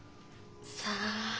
さあ？